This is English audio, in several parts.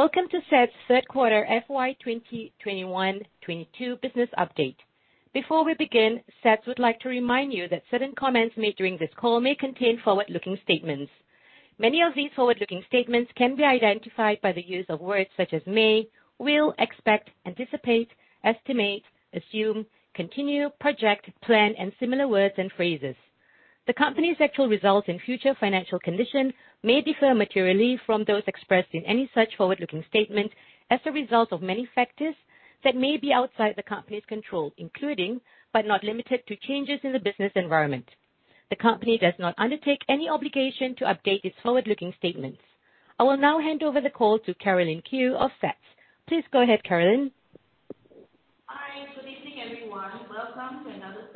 Welcome to SATS Q3 FY2021/22 business update. Before we begin, SATS would like to remind you that certain comments made during this call may contain forward-looking statements. Many of these forward-looking statements can be identified by the use of words such as may, will, expect, anticipate, estimate, assume, continue, project, plan, and similar words and phrases. The company's actual results and future financial condition may differ materially from those expressed in any such forward-looking statement as a result of many factors that may be outside the company's control, including, but not limited to, changes in the business environment. The company does not undertake any obligation to update its forward-looking statements. I will now hand over the call to Carolyn Khew of SATS. Please go ahead, Carolyn. Hi. Good evening, everyone. Welcome to another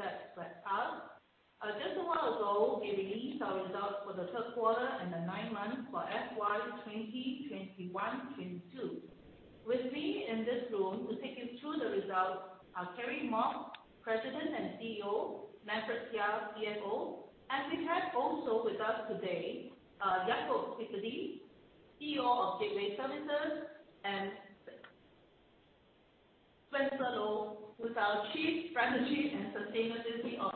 SATS webinar. Just a while ago, we released our results for the Q3 and the nine months for FY2021/22. With me in this room to take you through the results are Kerry Mok, President and CEO, Manfred Seah, CFO. We have also with us today, Jacob Piccoli, CEO of Gateway Services, and Spencer Low, who is our Chief Sustainability Officer.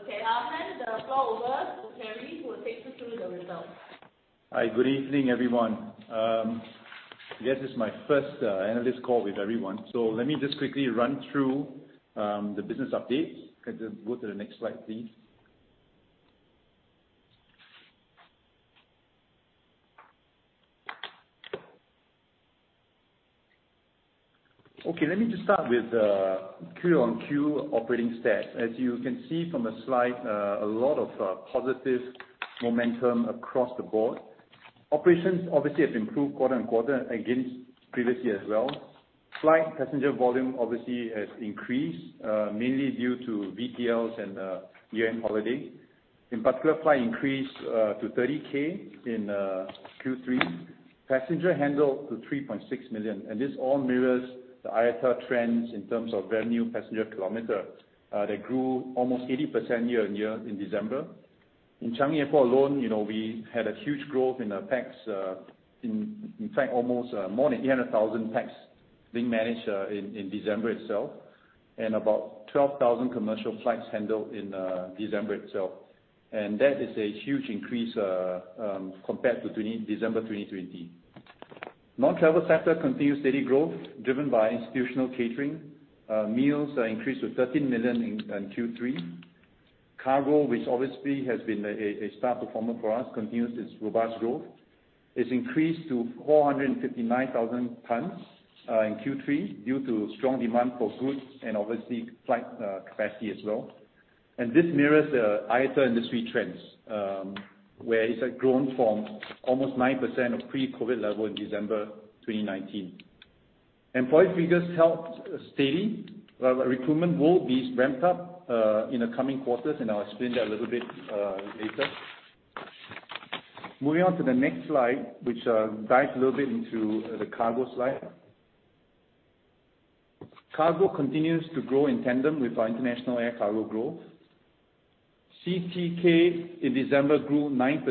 Okay, I'll hand the floor over to Kerry, who will take us through the results. Hi, good evening, everyone. This is my first analyst call with everyone, so let me just quickly run through the business update. Can you go to the next slide, please? Okay, let me just start with Q-on-Q operating stats. As you can see from the slide, a lot of positive momentum across the board. Operations obviously have improved quarter-on-quarter against previous year as well. Flight passenger volume obviously has increased mainly due to VTLs and year-end holiday. In particular, flight increased to 30K in Q3. Passenger handle to 3.6 million. This all mirrors the IATA trends in terms of revenue passenger kilometer that grew almost 80% year-on-year in December. In Changi Airport alone,, we had a huge growth in our PAX, in fact, almost more than 800,000 PAX being managed in December itself, and about 12,000 commercial flights handled in December itself. That is a huge increase compared to December 2020. Non-travel sector continued steady growth, driven by institutional catering. Meals increased to 13 million in Q3. Cargo, which obviously has been a star performer for us, continues its robust growth. It's increased to 459,000 tons in Q3 due to strong demand for goods and obviously flight capacity as well. This mirrors IATA industry trends, where it's like grown from almost 9% of pre-COVID level in December 2019. Employee figures held steady. Recruitment will be ramped up in the coming quarters, and I'll explain that a little bit later. Moving on to the next slide, which dives a little bit into the cargo slide. Cargo continues to grow in tandem with our international air cargo growth. CTK in December grew 9%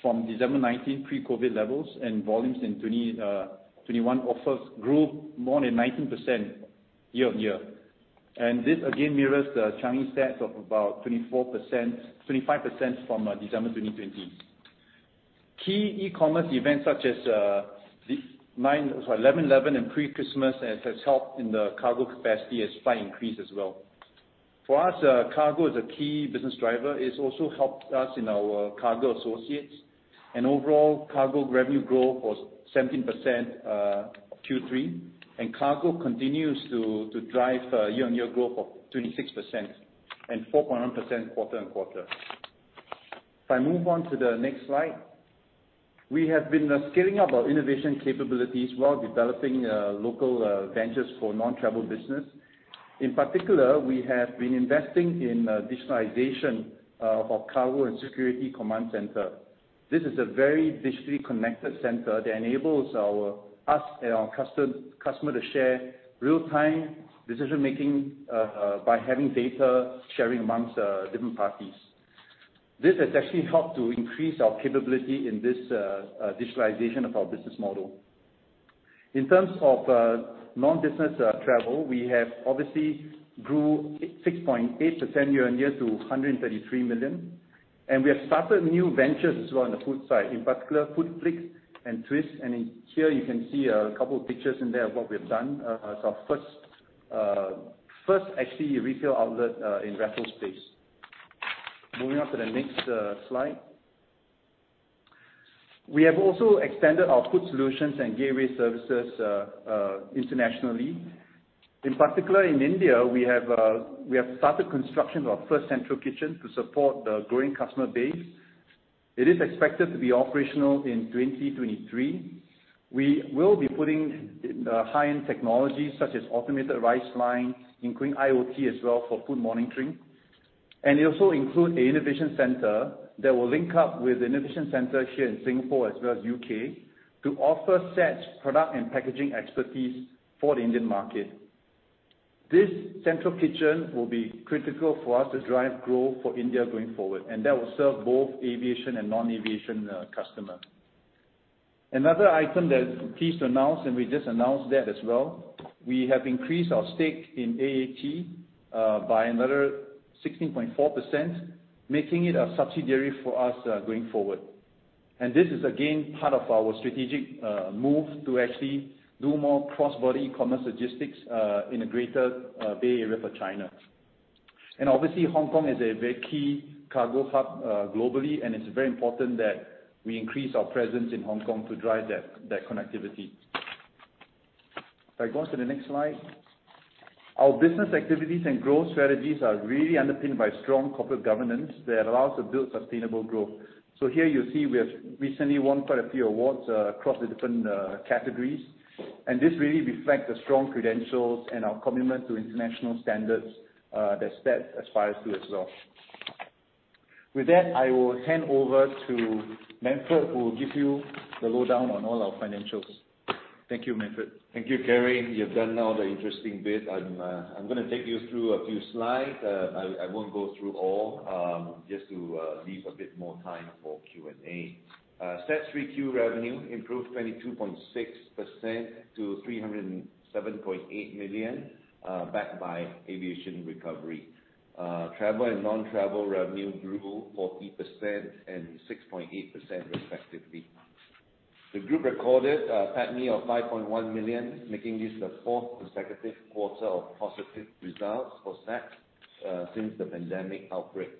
from December 2019 pre-COVID levels, and volumes in 2021 overall grew more than 19% year-on-year. This again mirrors the Changi stats of about 24%-25% from December 2020. Key e-commerce events such as 11.11 and pre-Christmas has helped in the cargo capacity as flights increase as well. For us, cargo is a key business driver. It's also helped us in our cargo associates. Overall, cargo revenue growth was 17% Q3, and cargo continues to drive year-on-year growth of 26% and 4.1% quarter-on-quarter. If I move on to the next slide. We have been scaling up our innovation capabilities while developing local ventures for non-travel business. In particular, we have been investing in digitalization of our cargo and security command center. This is a very digitally connected center that enables us and our customer to share real-time decision-making by having data sharing amongst different parties. This has actually helped to increase our capability in this digitalization of our business model. In terms of non-travel business, we have obviously grown 6.8% year-on-year to 133 million. We have started new ventures as well on the food side, in particular, FoodFlik and Twyst. Here you can see a couple of pictures in there of what we've done. It's our first actually retail outlet in Raffles Place. Moving on to the next slide. We have also expanded our food solutions and gateway services internationally. In particular, in India, we have started construction of our first central kitchen to support the growing customer base. It is expected to be operational in 2023. We will be putting high-end technology such as automated rice line, including IoT as well for food monitoring. It also includes an innovation center that will link up with the innovation center here in Singapore as well as U.K. to offer SATS product and packaging expertise for the Indian market. This central kitchen will be critical for us to drive growth for India going forward, and that will serve both aviation and non-aviation customer. Another item that I'm pleased to announce, and we just announced that as well, we have increased our stake in AAT by another 16.4%, making it a subsidiary for us going forward. This is again part of our strategic move to actually do more cross-border e-commerce logistics in the Greater Bay Area for China. Obviously, Hong Kong is a very key cargo hub globally, and it's very important that we increase our presence in Hong Kong to drive that connectivity. If I go on to the next slide. Our business activities and growth strategies are really underpinned by strong corporate governance that allows to build sustainable growth. Here you see we have recently won quite a few awards, across the different, categories, and this really reflects the strong credentials and our commitment to international standards, that SATS aspires to as well. With that, I will hand over to Manfred, who will give you the lowdown on all our financials. Thank you, Manfred. Thank you, Kerry. You've done all the interesting bit. I'm gonna take you through a few slides. I won't go through all, just to leave a bit more time for Q&A. SATS 3Q revenue improved 22.6% to 307.8 million, backed by aviation recovery. Travel and non-travel revenue grew 40% and 6.8% respectively. The group recorded PATMI of 5.1 million, making this the fourth consecutive quarter of positive results for SATS, since the pandemic outbreak.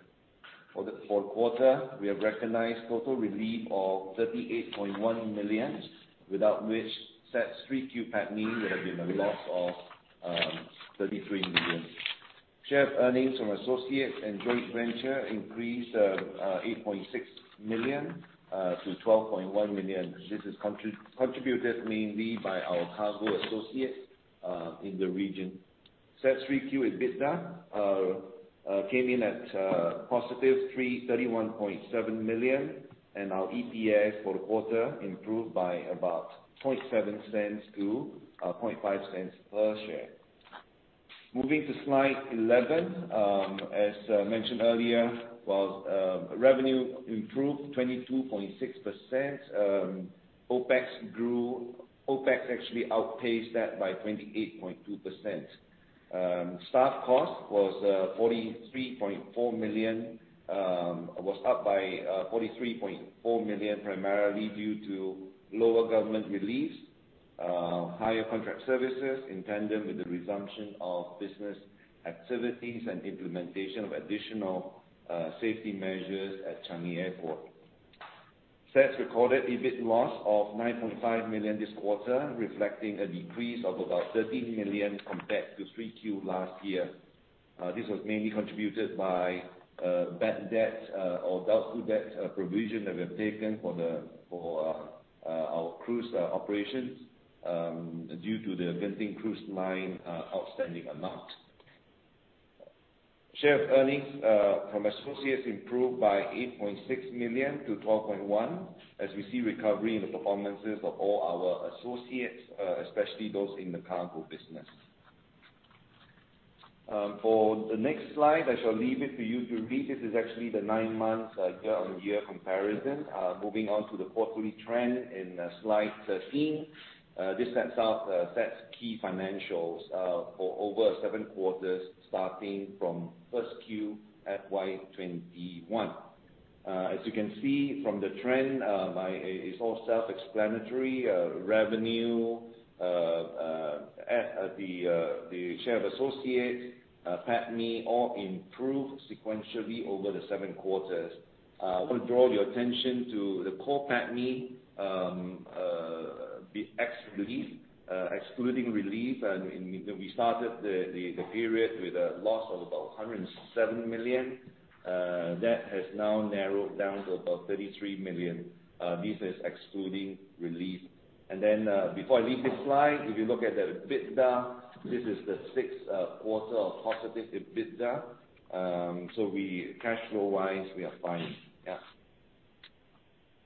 For the Q4, we have recognized total relief of 38.1 million, without which SATS 3Q PATMI would have been a loss of 33 million. Share of earnings from associates and joint venture increased 8.6 million to 12.1 million. This is contributed mainly by our cargo associates in the region. SATS 3Q EBITDA came in at positive 331.7 million, and our EPS for the quarter improved by about 0.7 cents to 0.5 cents per share. Moving to slide 11. As mentioned earlier, while revenue improved 22.6%, OpEx actually outpaced that by 28.2%. Staff costs were 43.4 million, up by 43.4 million, primarily due to lower government reliefs, higher contract services in tandem with the resumption of business activities and implementation of additional safety measures at Changi Airport. SATS recorded EBIT loss of 9.5 million this quarter, reflecting a decrease of about 13 million compared to 3Q last year. This was mainly contributed by bad debt or doubtful debt provision that we have taken for our cruise operations due to the Genting Cruise Lines outstanding amount. Share of earnings from associates improved by 8.6 million to 12.1 million, as we see recovery in the performances of all our associates, especially those in the cargo business. For the next slide, I shall leave it to you to read. This is actually the nine months year-on-year comparison. Moving on to the quarterly trend in slide 13. This sets out SATS key financials for over seven quarters, starting from first Q FY 2021. As you can see from the trend, it's all self-explanatory. Revenue at the share of associates, PATMI all improved sequentially over the 7 quarters. I wanna draw your attention to the core PATMI, the ex-relief, excluding relief. We started the period with a loss of about 107 million that has now narrowed down to about 33 million. This is excluding relief. Before I leave this slide, if you look at the EBITDA, this is the Q6 of positive EBITDA. Cash flow-wise, we are fine. Yeah.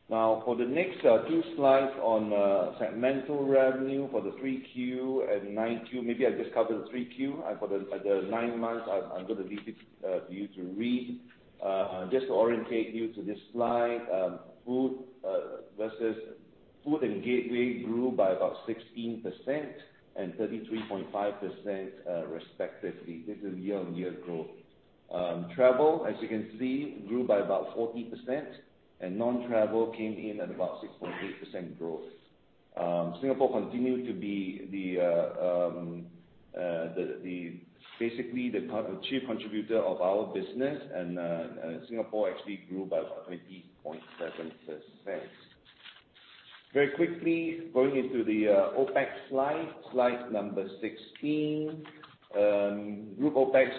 Now, for the next 2 slides on segmental revenue for the 3Q and 9Q, maybe I'll just cover the 3Q. For the 9 months, I'm gonna leave it to you to read. Just to orientate you to this slide, Food versus Gateway grew by about 16% and 33.5%, respectively. This is year-on-year growth. Travel, as you can see, grew by about 14%, and non-travel came in at about 6.8% growth. Singapore continued to be the chief contributor of our business, and Singapore actually grew by 20.7%. Very quickly, going into the OpEx slide number 16. Group OpEx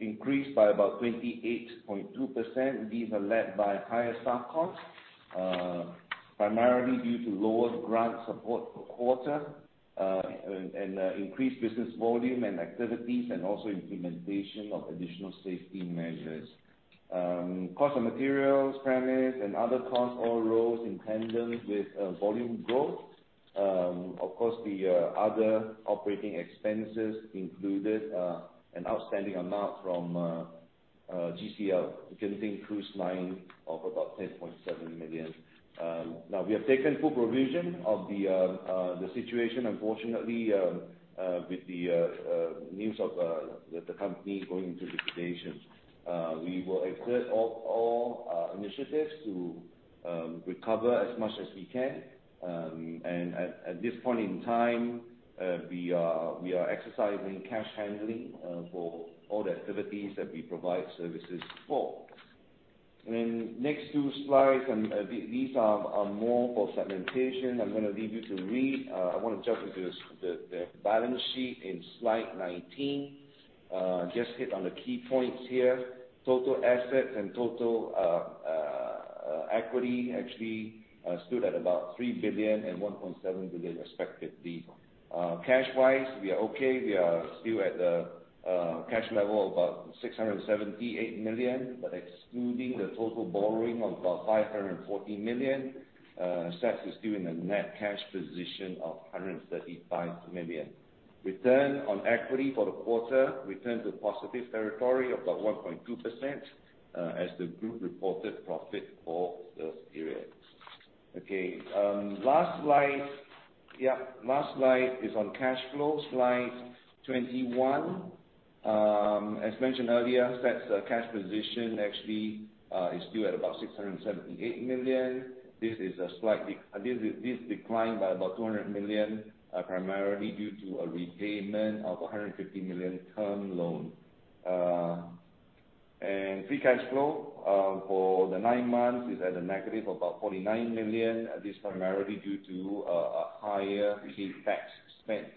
increased by about 28.2%. These are led by higher staff costs, primarily due to lower grant support for quarter, and increased business volume and activities, and also implementation of additional safety measures. Cost of materials, premises, other costs all rose in tandem with volume growth. Of course, the other operating expenses included an outstanding amount from GCL, Genting Cruise Lines of about 10.7 million. Now we have taken full provision of the situation unfortunately with the news of the company going into liquidation. We will exert all initiatives to recover as much as we can. At this point in time, we are exercising cash handling for all the activities that we provide services for. Next two slides and these are more for segmentation. I'm gonna leave you to read. I wanna jump into the balance sheet in slide 19. Just hit on the key points here. Total assets and total equity actually stood at about 3 billion and 1.7 billion respectively. Cash wise, we are okay. We are still at a cash level of about 678 million, but excluding the total borrowing of about 540 million. SATS is still in a net cash position of 135 million. Return on equity for the quarter returned to positive territory of about 1.2%, as the group reported profit for the period. Okay. Last slide. Yeah, last slide is on cash flow, slide 21. As mentioned earlier, SATS cash position actually is still at about 678 million. This declined by about 200 million, primarily due to a repayment of 150 million term loan. Free cash flow for the 9 months is at a negative of about 49 million, this primarily due to a higher prepaid tax spent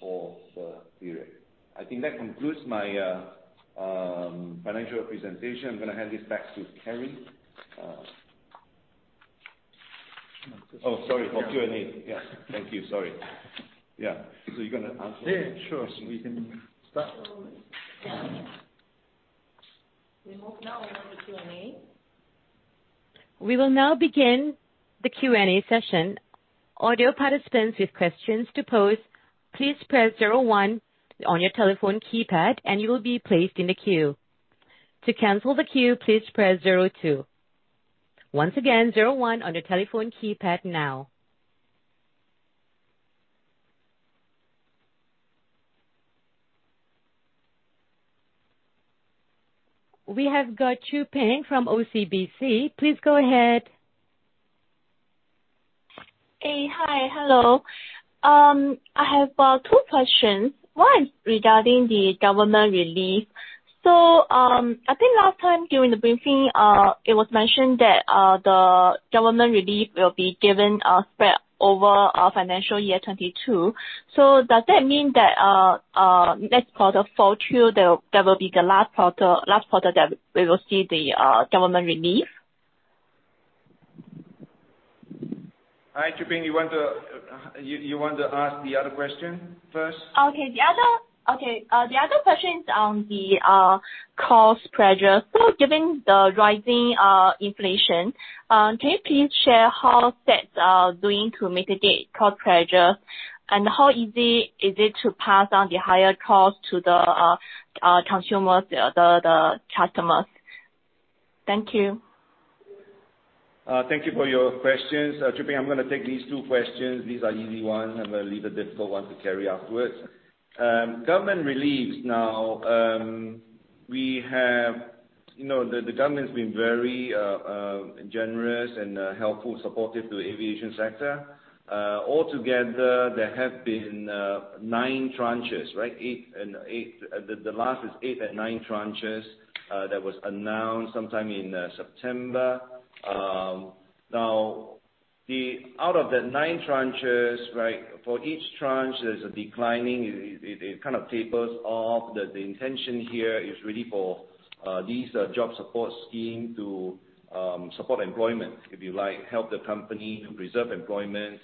for the period. I think that concludes my financial presentation. I'm gonna hand this back to Kerry. Oh, sorry. For Q&A. Yeah. Thank you. Sorry. Yeah. You're gonna answer- Yeah, sure. We can start. Yeah. We move now over to Q&A. We will now begin the Q&A session. Audio participants with questions to pose, please press zero one on your telephone keypad, and you will be placed in the queue. To cancel the queue, please press zero two. Once again, zero one on your telephone keypad now. We have got Chua Kuan Ping from OCBC. Please go ahead. I have two questions. One regarding the government relief. I think last time during the briefing, it was mentioned that the government relief will be given spread over financial year 2022. Does that mean that next quarter, FY 2022, that will be the last quarter that we will see the government relief? All right. Chua Kuan Ping, you want to ask the other question first? The other question is on the cost pressure. Given the rising inflation, can you please share how SATS are doing to mitigate cost pressure, and how easy is it to pass on the higher costs to the consumers, the customers? Thank you. Thank you for your questions. Chu Peng, I'm gonna take these two questions. These are easy ones. I'm gonna leave the difficult one to Kerry afterwards. Government relief. Now, we have., the government's been very generous and helpful, supportive to the aviation sector. Altogether there have been nine tranches, right? The last is eight and nine tranches that was announced sometime in September. Now the out of the nine tranches, right, for each tranche, there's a declining. It kind of tapers off. The intention here is really for these Job Support Scheme to support employment, if you like. Help the company to preserve employment,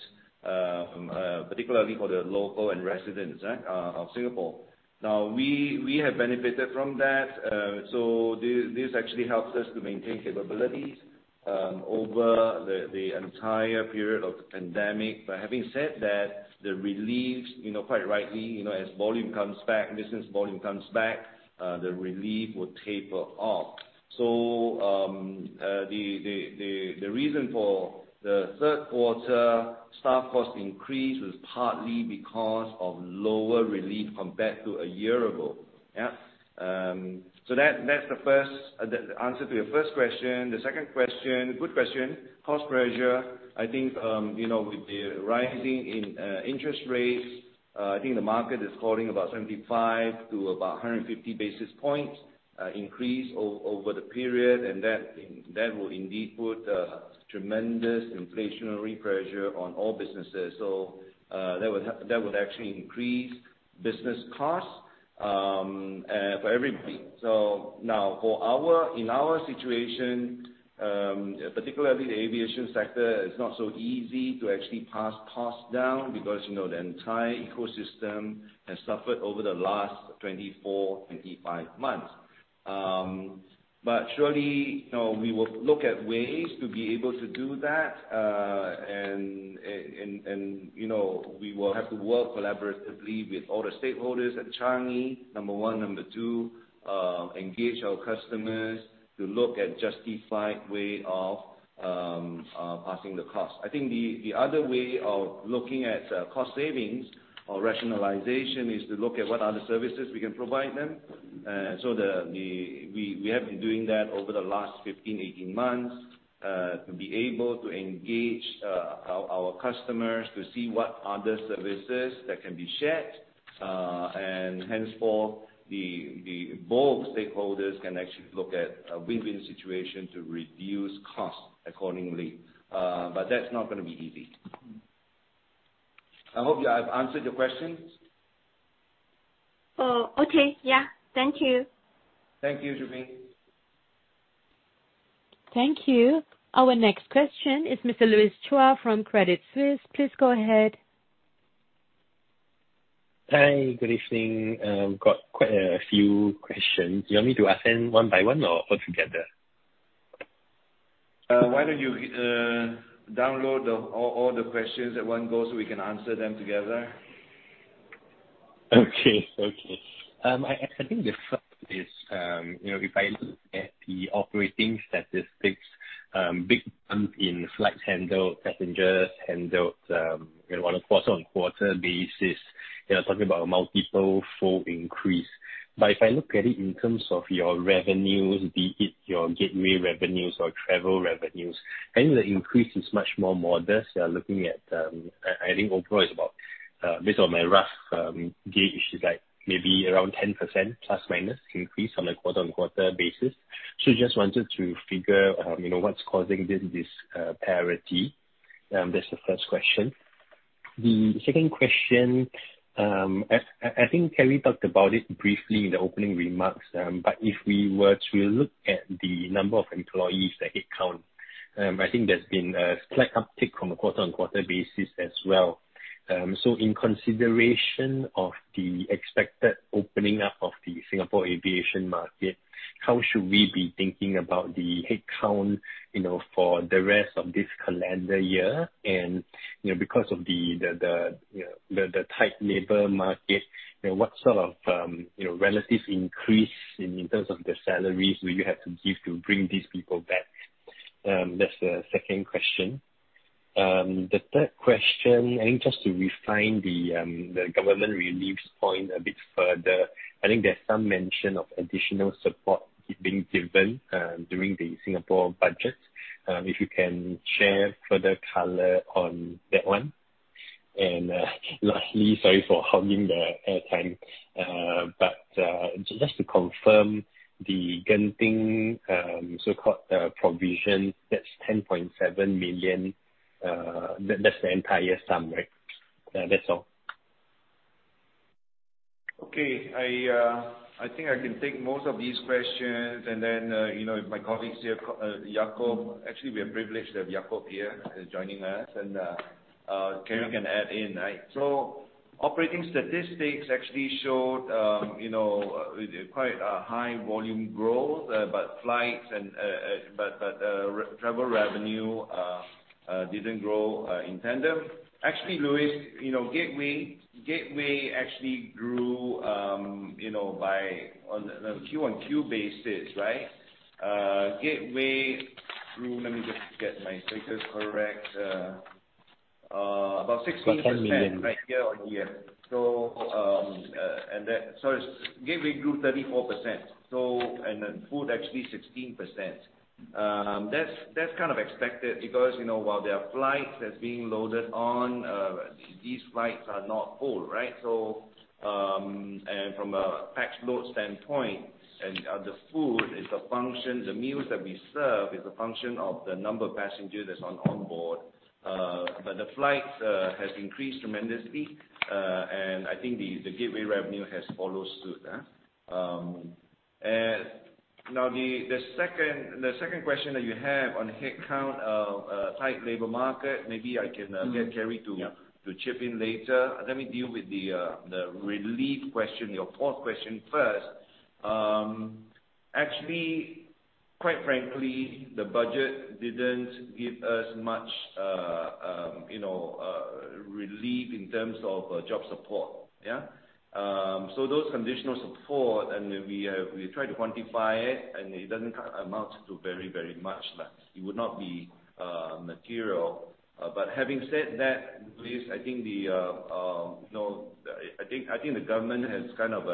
particularly for the local and residents of Singapore. Now, we have benefited from that. This actually helps us to maintain capabilities over the entire period of the pandemic. But having said that, the relief,, quite rightly,, as volume comes back, business volume comes back, the relief will taper off. The reason for the Q3 staff cost increase was partly because of lower relief compared to a year ago. Yeah. That's the first, the answer to your first question. The second question, good question. Cost pressure, I think,, with the rise in interest rates, I think the market is calling for about 75-150 basis points increase over the period, and that will indeed put a tremendous inflationary pressure on all businesses. That would actually increase business costs for everybody. Now, in our situation, particularly the aviation sector, it's not so easy to actually pass costs down because,, the entire ecosystem has suffered over the last 24, 25 months. Surely,, we will look at ways to be able to do that., we will have to work collaboratively with all the stakeholders at Changi, number one. Number two, engage our customers to look at justified way of passing the cost. I think the other way of looking at cost savings or rationalization is to look at what other services we can provide them. We have been doing that over the last 15, 18 months to be able to engage our customers to see what other services that can be shared. Henceforth, the board stakeholders can actually look at a win-win situation to reduce costs accordingly. That's not gonna be easy. I hope I've answered your questions. Oh, okay. Yeah. Thank you. Thank you, Chua Kuan Ping. Thank you. Our next question is Mr. Louis Chua from Credit Suisse. Please go ahead. Hi. Good evening. Got quite a few questions. You want me to ask them one by one or all together? Why don't you download all the questions at one go, so we can answer them together? I think the first is,, if I look at the operating statistics, big jump in flights handled, passengers handled,, on a quarter-on-quarter basis, you're talking about a multifold increase. If I look at it in terms of your revenues, be it your gateway revenues or travel revenues, and the increase is much more modest. You are looking at, I think overall it's about, based on my rough gauge, is like maybe around 10% plus or minus increase on a quarter-on-quarter basis. Just wanted to figure,, what's causing this parity. That's the first question. The second question, I think Kerry talked about it briefly in the opening remarks. If we were to look at the number of employees, the head count, I think there's been a slight uptick from a quarter-on-quarter basis as well. In consideration of the expected opening up of the Singapore aviation market, how should we be thinking about the head count,, for the rest of this calendar year?, because of the tight labor market,, what sort of relative increase in terms of the salaries will you have to give to bring these people back? That's the second question. The third question, I think just to refine the government reliefs point a bit further, I think there's some mention of additional support being given during the Singapore Budget. If you can share further color on that one. Lastly, sorry for hogging the airtime, but just to confirm the Genting so-called provision, that's 10.7 million. That's the entire sum, right? That's all. Okay. I think I can take most of these questions and then,, if my colleagues here, Jacob. Actually, we are privileged to have Jacob here, joining us. Kerry can add in, right. Operating statistics actually showed,, quite a high volume growth, but flights and travel revenue didn't grow in tandem. Actually, Louis,, Gateway actually grew,, on a Q-on-Q basis, right? Gateway grew. Let me just get my figures correct. About 16%. SGD 10 million. Year-on-year. Gateway grew 34%, and then food actually 16%. That's kind of expected because,, while there are flights that's being loaded on, these flights are not full, right? From a pax load standpoint and, the food is a function, the meals that we serve is a function of the number of passengers that's on board. But the flights have increased tremendously. I think the gateway revenue has followed suit, yeah. Now the second question that you have on headcount, tight labor market, maybe I can get Kerry to- Yeah. To chip in later. Let me deal with the relief question, your fourth question first. Actually, quite frankly, the budget didn't give us much,, relief in terms of job support, yeah. Those conditional support, and we have. We tried to quantify it, and it doesn't amount to very much. It would not be material. But having said that, please, I think, I think the government has kind of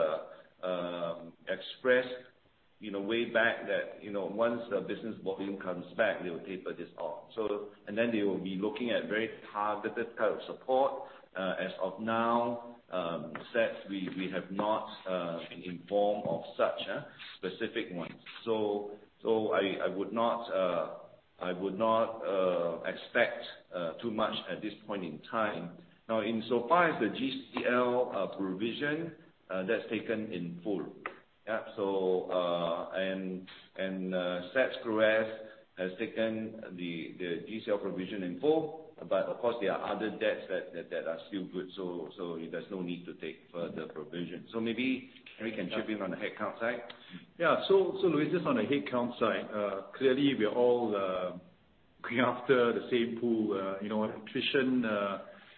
expressed,, way back that,, once the business volume comes back, they will taper this off. And then they will be looking at very targeted type of support. As of now, since we have not been informed of such a specific one. I would not expect too much at this point in time. Now, in so far as the GCL provision, that's taken in full. Yeah. SATS-Creuers has taken the GCL provision in full, but of course there are other debts that are still good. There's no need to take further provision. Maybe Kerry can chip in on the head count side. Louis, just on the head count side, clearly we are all going after the same pool,, attrition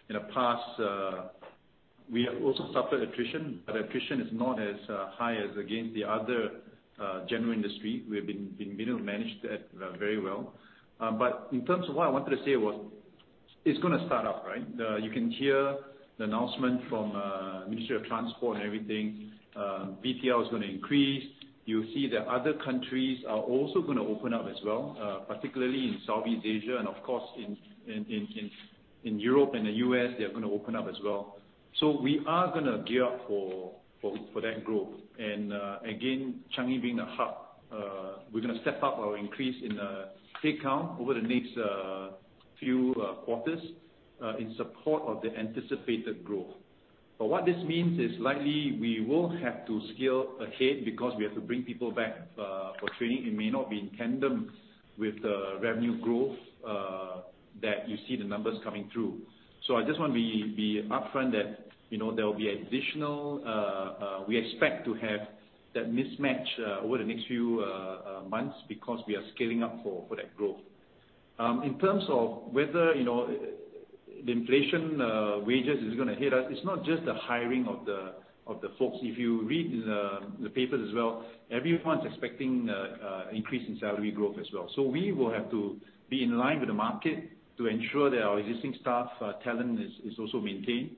in the past, we have also suffered attrition, but attrition is not as high as again the other general industry. We have been able to manage that very well. In terms of what I wanted to say was it's gonna start up, right? You can hear the announcement from Ministry of Transport and everything. VTL is gonna increase. You'll see that other countries are also gonna open up as well, particularly in Southeast Asia, and of course in Europe and the U.S. they're gonna open up as well. We are gonna gear up for that growth. Again, Changi being a hub, we're gonna step up our increase in head count over the next few quarters in support of the anticipated growth. What this means is likely we will have to scale ahead because we have to bring people back for training. It may not be in tandem with the revenue growth that you see the numbers coming through. I just want to be upfront that,, there will be additional. We expect to have that mismatch over the next few months because we are scaling up for that growth. In terms of whether,, the wage inflation is gonna hit us, it's not just the hiring of the folks. If you read the papers as well, everyone's expecting an increase in salary growth as well. We will have to be in line with the market to ensure that our existing staff talent is also maintained.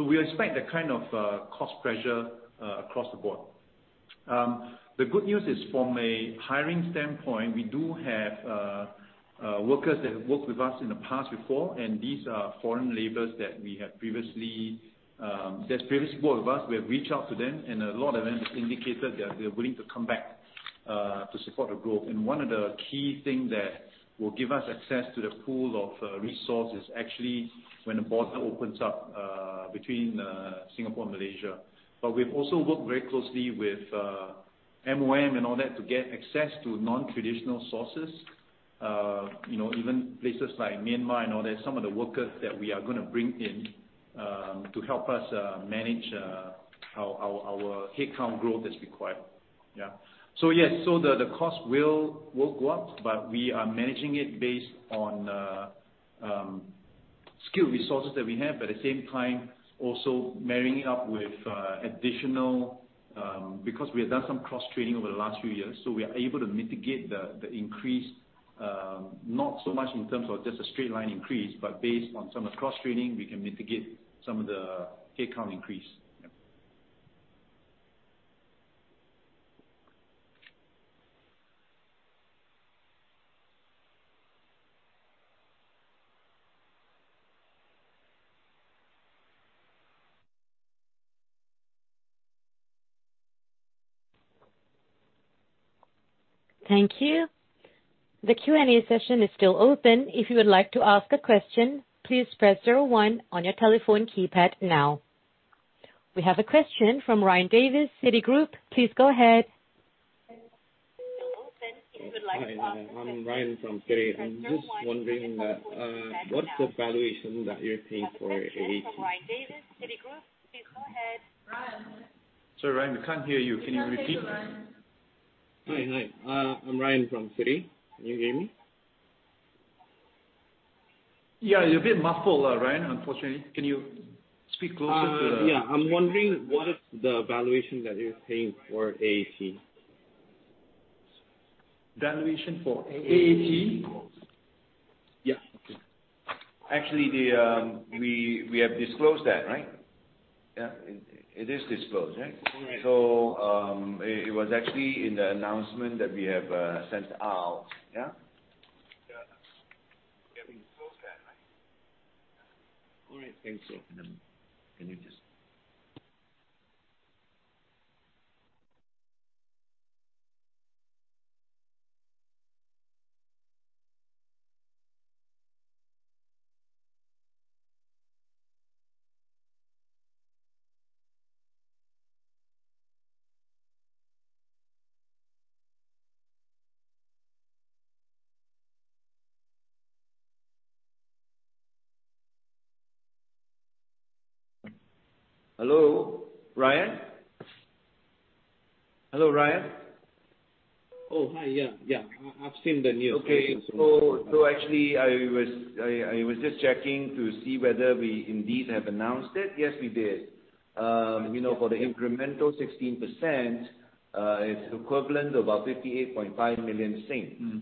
We expect a kind of cost pressure across the board. The good news is from a hiring standpoint, we do have workers that have worked with us in the past before, and these are foreign laborers that have previously worked with us. We have reached out to them and a lot of them have indicated that they're willing to come back to support the growth. One of the key thing that will give us access to the pool of resources actually when the border opens up between Singapore and Malaysia. We've also worked very closely with MOM and all that to get access to non-traditional sources, , even places like Myanmar and all that, some of the workers that we are gonna bring in to help us manage our head count growth as required. Yeah. Yes. The cost will go up, but we are managing it based on skilled resources that we have, but at the same time also marrying it up with additional. Because we have done some cross-training over the last few years, so we are able to mitigate the increase, not so much in terms of just a straight line increase, but based on some of the cross-training we can mitigate some of the head count increase. Yeah. Thank you. The Q&A session is still open. If you would like to ask a question, please press zero one on your telephone keypad now. We have a question from Ryan Davis, Citigroup. Please go ahead. Hi, I'm Ryan from Citi. I'm just wondering, what's the valuation that you're paying for AAT? Have a question from Ryan Davis, Citigroup. Please go ahead. Sorry, Ryan, we can't hear you. Can you repeat? Hi. I'm Ryan from Citi. Can you hear me? Yeah, you're a bit muffled, Ryan, unfortunately. Can you speak closer to the- Yeah. I'm wondering what is the valuation that you're paying for AAT? Valuation for AAT? Yeah. Actually, we have disclosed that, right? Yeah. It is disclosed, right? All right. It was actually in the announcement that we have sent out. Yeah. Yeah. Yeah, we saw that. All right. Thanks. Hello, Ryan. Oh, hi. Yeah, yeah. I've seen the news. Okay. Actually I was just checking to see whether we indeed have announced it. Yes, we did., for the incremental 16%, it's equivalent to about 58.5 million. Mm-hmm.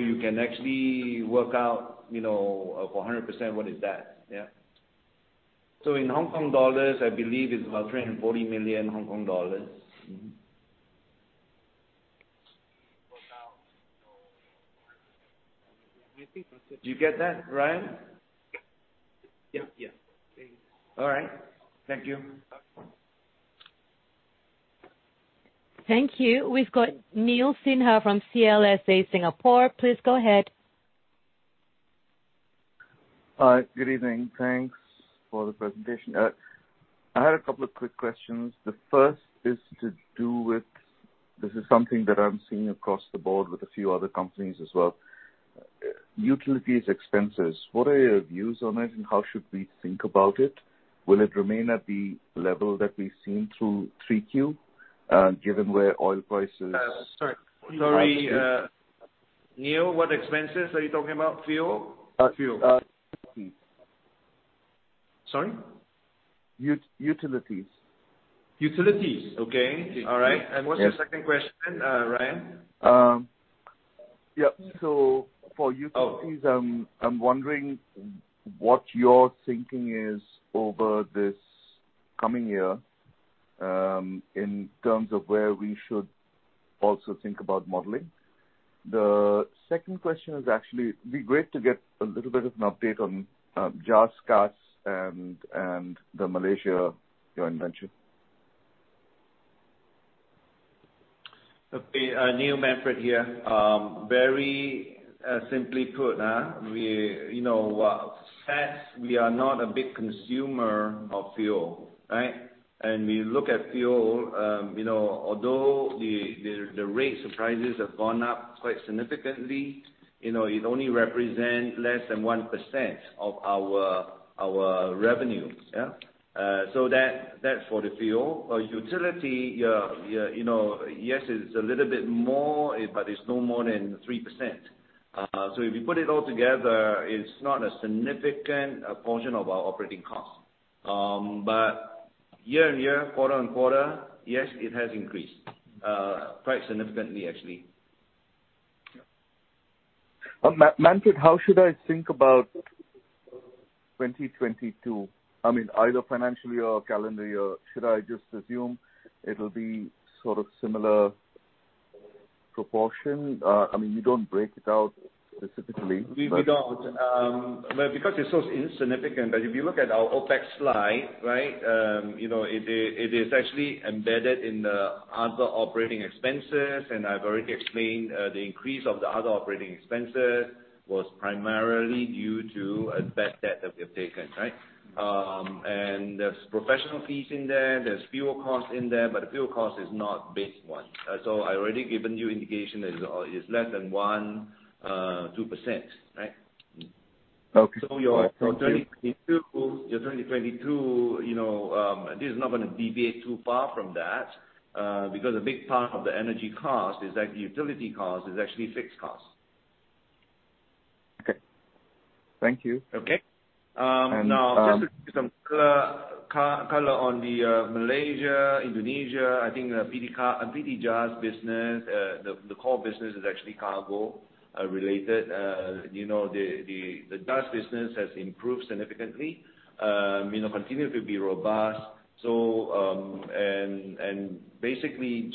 You can actually work out,, for 100% what is that. Yeah. In Hong Kong dollars, I believe is about 340 million Hong Kong dollars. Mm-hmm. Do you get that, Ryan? Yeah, yeah. All right. Thank you. Thank you. We've got Neel Sinha from CLSA Singapore. Please go ahead. Hi. Good evening. Thanks for the presentation. I had a couple of quick questions. The first is to do with this. This is something that I'm seeing across the board with a few other companies as well. Utilities expenses, what are your views on it, and how should we think about it? Will it remain at the level that we've seen through Q3, given where oil prices- Sorry. Sorry, Neil, what expenses are you talking about? Fuel? Uh- Fuel. Utilities. Sorry? Ut-utilities. Utilities. Okay. All right. Yes. What's your second question, Ryan? Yep. For utilities. Oh. I'm wondering what your thinking is over this coming year, in terms of where we should also think about modeling. The second question is, actually, it'd be great to get a little bit of an update on JAS, CAS and the Malaysia joint venture. Okay. Neel, Manfred here. Very simply put, we,, CAS, we are not a big consumer of fuel, right? We look at fuel,, although the rates or prices have gone up quite significantly,, it only represent less than 1% of our revenue, yeah. So that's for the fuel. For utility, yeah,, yes, it's a little bit more, but it's no more than 3%. So if you put it all together, it's not a significant portion of our operating costs. But year-on-year, quarter-on-quarter, yes, it has increased quite significantly actually. Yeah. Manfred, how should I think about 2022? I mean, either financially or calendar year. Should I just assume it'll be sort of similar proportion? I mean, you don't break it out specifically, but We don't. Because it's so insignificant, if you look at our OpEx slide, it is actually embedded in the other operating expenses. I've already explained the increase of the other operating expenses was primarily due to a bad debt that we have taken, right? There's professional fees in there. There's fuel costs in there, but the fuel cost is not a big one. I already given you indication that it's less than 1%-2%, right? Okay. All right. Thank you. Your for 2022,, this is not gonna deviate too far from that, because a big part of the energy cost is that the utility cost is actually fixed cost. Okay. Thank you. Okay. And, um- Now just to give you some color on the Malaysia, Indonesia, I think, PT Cardig, PT JAS business. The core business is actually cargo related., the JAS business has improved significantly, continued to be robust. And basically,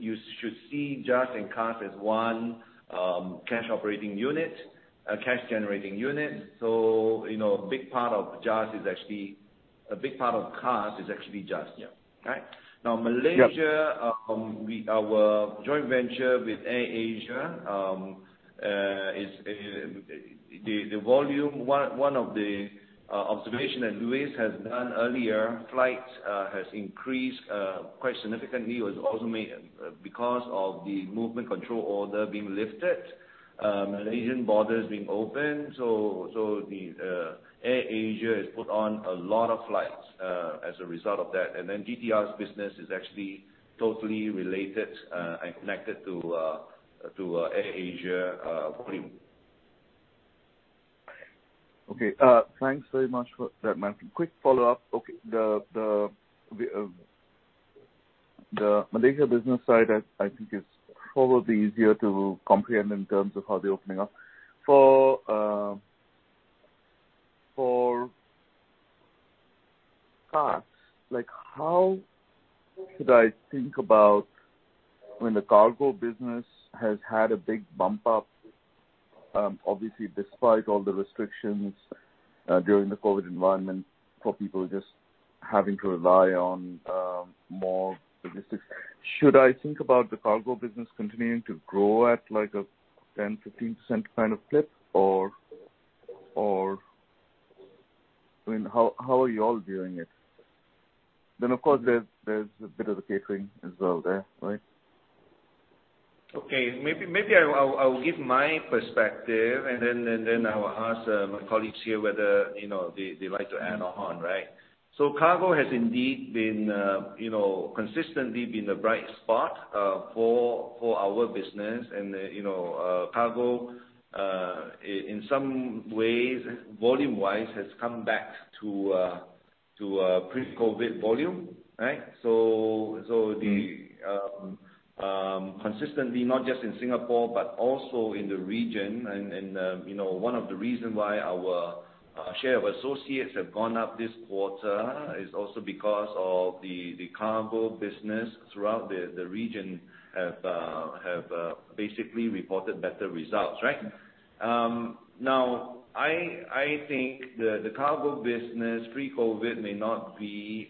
you should see JAS and CAS as one cash operating unit, a cash generating unit., a big part of CAS is actually JAS, yeah, right? Yeah. Now, Malaysia, our joint venture with AirAsia is the volume. One of the observation that Luis has done earlier, flights has increased quite significantly. It was also because of the Movement Control Order being lifted, Malaysian borders being open. AirAsia has put on a lot of flights as a result of that. Then GTR's business is actually totally related and connected to AirAsia volume. Okay. Thanks very much for that, Manfred. Quick follow-up. Okay. The Malaysia business side I think is probably easier to comprehend in terms of how they're opening up. For CAS, like, how should I think about when the cargo business has had a big bump up, obviously despite all the restrictions, during the COVID environment for people just having to rely on more logistics. Should I think about the cargo business continuing to grow at like a 10%-15% kind of clip or I mean, how are you all viewing it? Then of course there's a bit of the catering as well there, right? Maybe I'll give my perspective and then I will ask my colleagues here whether,, they'd like to add on, right? Cargo has indeed been,, consistently been the bright spot for our business., cargo in some ways, volume-wise, has come back to pre-COVID volume, right? Mm. Consistently, not just in Singapore, but also in the region., one of the reason why our share of associates have gone up this quarter is also because of the cargo business throughout the region have basically reported better results, right? Now I think the cargo business pre-COVID may not be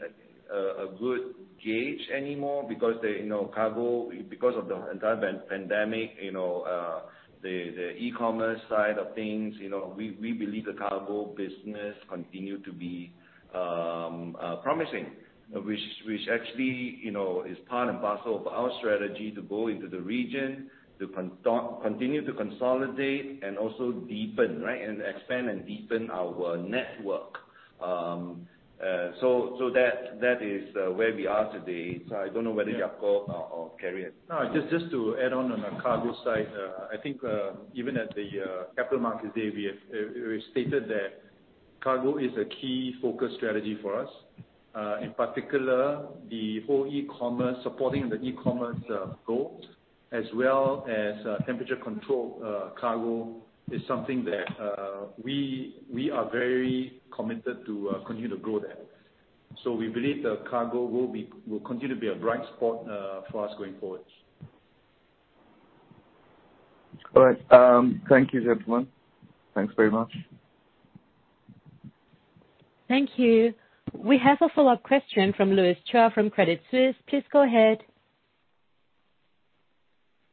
a good gauge anymore because of the entire pandemic,, the e-commerce side of things,, we believe the cargo business continue to be promising. Which actually,, is part and parcel of our strategy to go into the region to continue to consolidate and also deepen, right, and expand and deepen our network. That is where we are today. I don't know whether Yakup or Kerry. No, just to add on the cargo side. I think even at the Capital Markets Day, we stated that cargo is a key focus strategy for us. In particular, the whole e-commerce supporting the e-commerce goal as well as temperature control cargo is something that we are very committed to continue to grow that. We believe the cargo will continue to be a bright spot for us going forward. All right. Thank you, gentlemen. Thanks very much. Thank you. We have a follow-up question from Louis Chua from Credit Suisse. Please go ahead.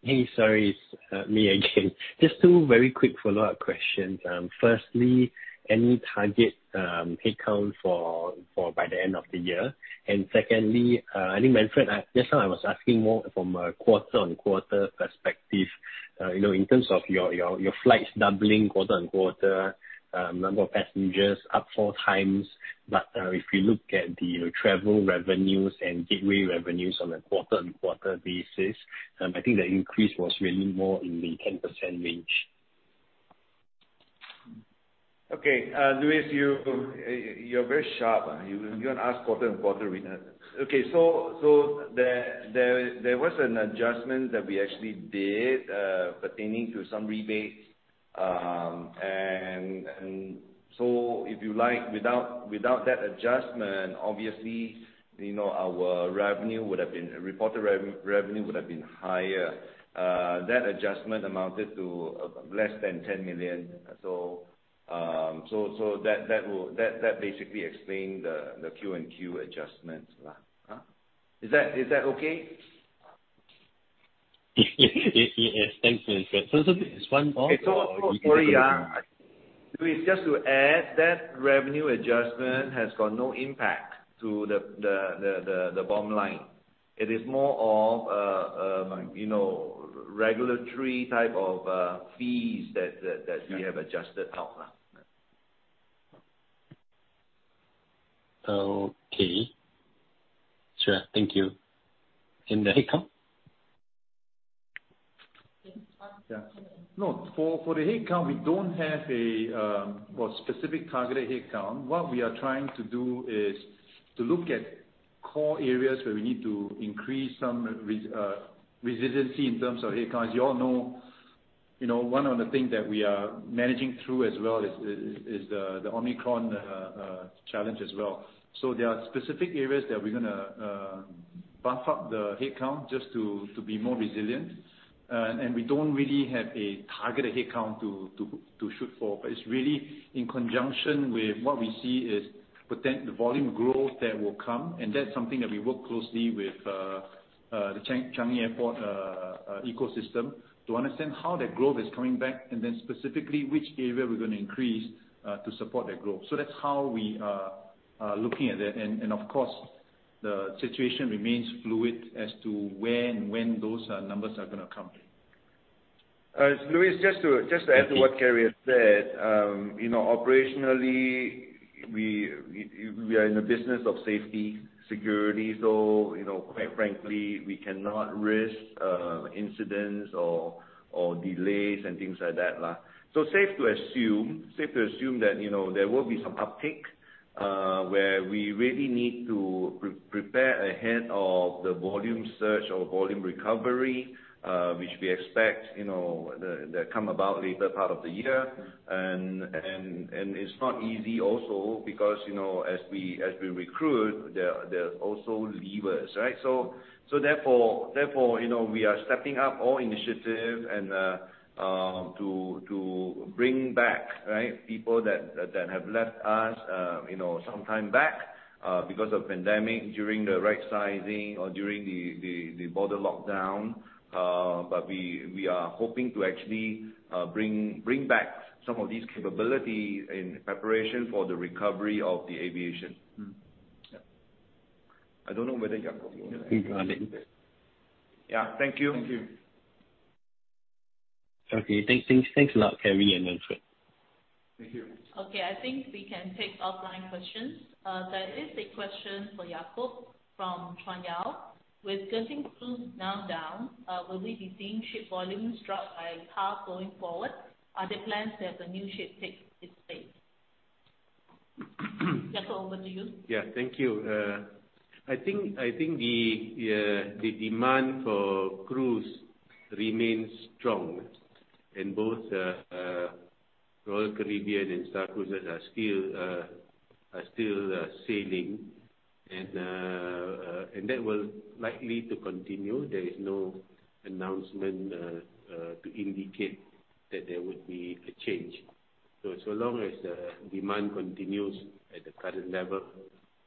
Hey, sorry. It's me again. Just two very quick follow-up questions. Firstly, any target headcount for by the end of the year? And secondly, I think, Manfred, just now I was asking more from a quarter-on-quarter perspective., in terms of your flights doubling quarter-on-quarter, number of passengers up four times. If you look at the travel revenues and gateway revenues on a quarter-on-quarter basis, I think the increase was really more in the 10% range. Okay. Louis, you're very sharp. You wanna ask quarter-on-quarter return. Okay. There was an adjustment that we actually did pertaining to some rebates. If you like, without that adjustment, obviously,, our reported revenue would have been higher. That adjustment amounted to less than 10 million. That will basically explain the Q&Q adjustments. Is that okay? Yes. Thanks, Manfred. One more or- Sorry, Louis, just to add, that revenue adjustment has got no impact to the bottom line. It is more of,, regulatory type of fees that we have adjusted out. Okay. Sure. Thank you. The headcount? Yeah. No, for the headcount, we don't have a well, specific targeted headcount. What we are trying to do is to look at core areas where we need to increase some resiliency in terms of headcount. As you all know,, one of the things that we are managing through as well is the Omicron challenge as well. There are specific areas that we're gonna buff up the headcount just to be more resilient. And we don't really have a targeted headcount to shoot for, but it's really in conjunction with what we see is the volume growth that will come. That's something that we work closely with the Changi Airport ecosystem to understand how that growth is coming back and then specifically which area we're gonna increase to support that growth. That's how we are looking at it. Of course, the situation remains fluid as to where and when those numbers are gonna come. Louis, just to add to what Carey has said,, operationally we are in the business of safety, security. So,, quite frankly, we cannot risk incidents or delays and things like that. So safe to assume that,, there will be some uptick where we really need to prepare ahead of the volume surge or volume recovery, which we expect,, to come about later part of the year. It's not easy also because,, as we recruit, there are also leavers, right? Therefore,, we are stepping up all initiative and to bring back, right, people that have left us,, some time back, because of pandemic during the rightsizing or during the border lockdown. We are hoping to actually bring back some of these capabilities in preparation for the recovery of the aviation. Mm-hmm. Yeah. I don't know whether Yakup you wanna add anything? No. Yeah. Thank you. Thank you. Okay. Thanks a lot, Kerry and Manfred. Thank you. Okay. I think we can take offline questions. There is a question for Yakup from Chuanyao. With Genting Cruise now down, will we be seeing ship volumes drop by half going forward? Are there plans to have the new ship take its place? Yeah. Thank you. I think the demand for cruise remains strong in both Royal Caribbean and Star Cruises are still sailing. That will likely to continue. There is no announcement to indicate that there would be a change. So long as the demand continues at the current level,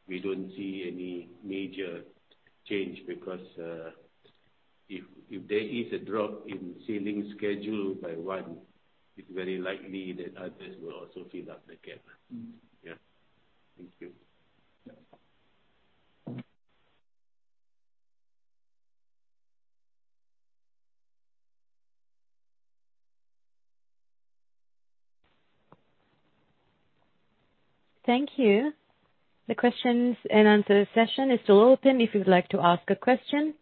we don't see any major change because if there is a drop in sailing schedule by one, it's very likely that others will also fill up the gap. Mm. Yeah. Thank you. Thank you. The question and answer session is still open if you'd like to ask a question.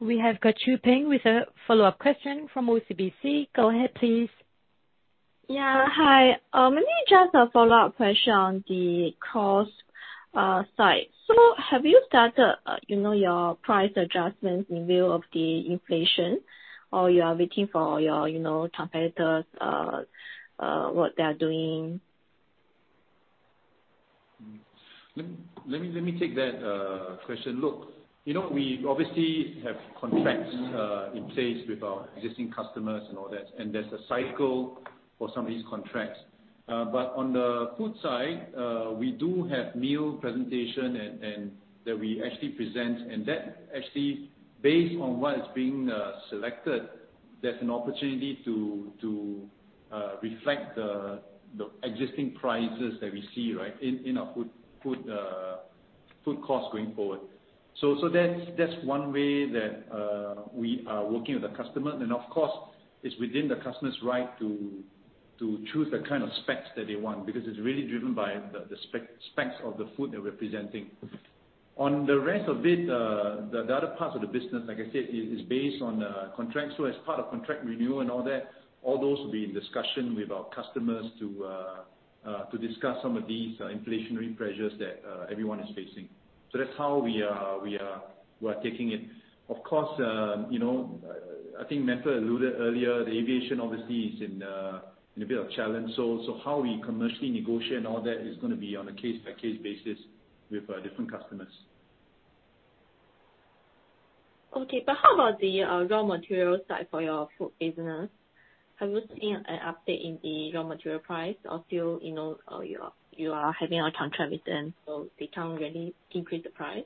We have got Chua Kuan Ping with a follow-up question from OCBC. Go ahead, please. Yeah. Hi. Maybe just a follow-up question on the cost side. Have you started your price adjustments in view of the inflation, or you are waiting for your competitors what they are doing? Let me take that question. Look, , we obviously have contracts in place with our existing customers and all that, and there's a cycle for some of these contracts. On the food side, we do have meal presentation and that we actually present. That actually based on what is being selected, there's an opportunity to reflect the existing prices that we see, right, in our food costs going forward. That's one way that we are working with the customer. Of course it's within the customer's right to choose the kind of specs that they want, because it's really driven by the specs of the food they're representing. On the rest of it, the other parts of the business, like I said, is based on contracts. As part of contract review and all that, all those will be in discussion with our customers to discuss some of these inflationary pressures that everyone is facing. That's how we are taking it. Of course,, I think Manfred alluded earlier, the aviation obviously is in a bit of challenge. How we commercially negotiate and all that is gonna be on a case by case basis with different customers. Okay. How about the raw material side for your food business? Have you seen an update in the raw material price or still,, you are having a contract with them, so they can't really increase the price?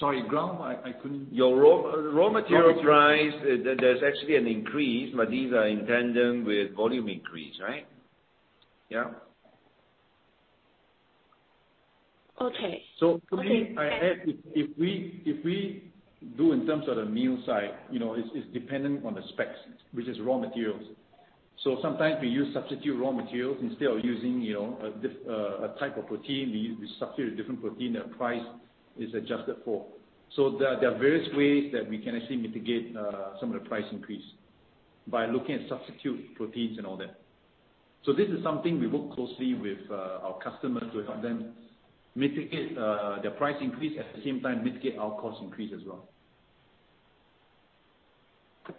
Sorry. Ground? I couldn't- Your raw material price- Raw material. There's actually an increase, but these are in tandem with volume increase, right? Yeah. Okay. To me, I add, if we do in terms of the meal side,, it's dependent on the specs, which is raw materials. Sometimes we use substitute raw materials instead of using,, a type of protein, we substitute a different protein, the price is adjusted for. There are various ways that we can actually mitigate some of the price increase by looking at substitute proteins and all that. This is something we work closely with our customers to help them mitigate the price increase, at the same time mitigate our cost increase as well.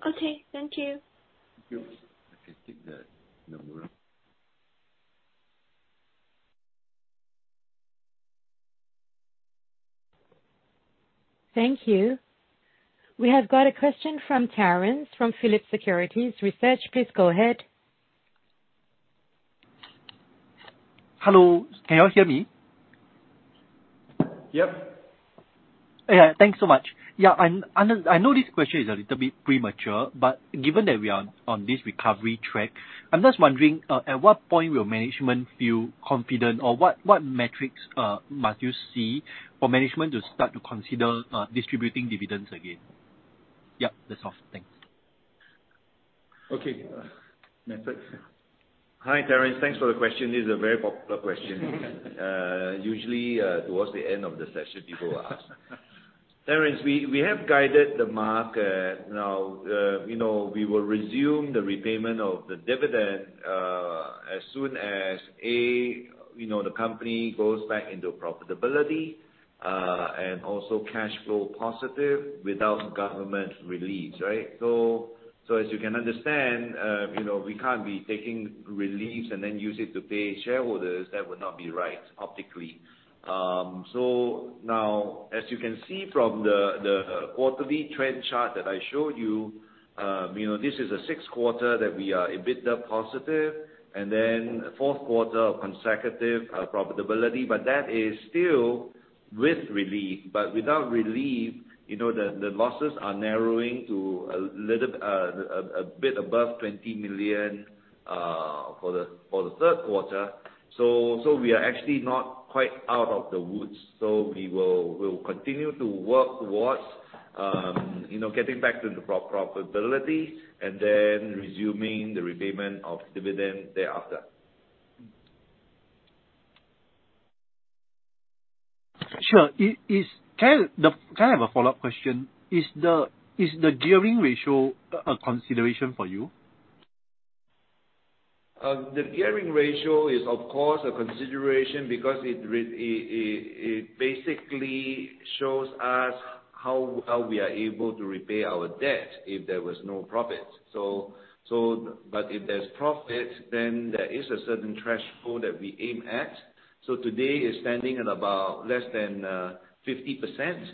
Okay. Thank you. Thank you. We have got a question from Terence from Phillip Securities Research. Please go ahead. Hello. Can you all hear me? Yep. Yeah. Thanks so much. I know this question is a little bit premature, but given that we are on this recovery track, I'm just wondering at what point will management feel confident or what metrics must you see for management to start to consider distributing dividends again? Yep, that's all. Thanks. Okay. Manfred? Hi, Terence. Thanks for the question. This is a very popular question. Usually, towards the end of the session people will ask. Terence, we have guided the market now,, we will resume the repayment of the dividend, as soon as,, the company goes back into profitability, and also cash flow positive without government reliefs, right? So as you can understand,, we can't be taking reliefs and then use it to pay shareholders. That would not be right optically. Now as you can see from the quarterly trend chart that I showed, this is the Q6 that we are EBITDA positive and then Q4 of consecutive profitability, but that is still with relief, but without relief,, the losses are narrowing to a bit above 20 million for the Q3. We are actually not quite out of the woods. We will continue to work towards,, getting back to the profitability and then resuming the repayment of dividend thereafter. Sure. Can I have a follow-up question? Is the gearing ratio a consideration for you? The gearing ratio is of course a consideration because it basically shows us how we are able to repay our debt if there was no profit. If there's profit, then there is a certain threshold that we aim at. Today it's standing at about less than 50%.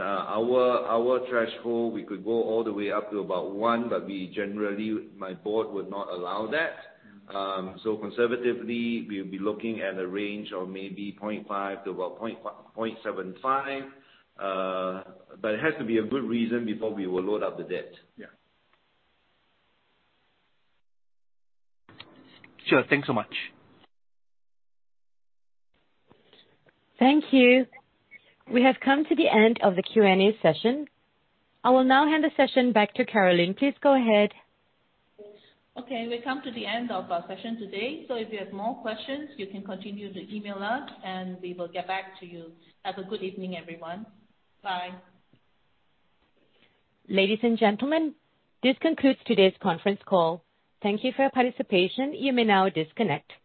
Our threshold, we could go all the way up to about 1, but we generally, my board would not allow that. Conservatively, we'll be looking at a range of maybe 0.5-0.75. It has to be a good reason before we will load up the debt. Yeah. Sure. Thanks so much. Thank you. We have come to the end of the Q&A session. I will now hand the session back to Caroline. Please go ahead. Okay, we come to the end of our session today. If you have more questions, you can continue to email us, and we will get back to you. Have a good evening, everyone. Bye. Ladies and gentlemen, this concludes today's conference call. Thank you for your participation. You may now disconnect.